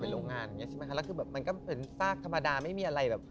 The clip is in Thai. โรงงานอย่างเงี้ใช่ไหมคะแล้วคือแบบมันก็เหมือนซากธรรมดาไม่มีอะไรแบบ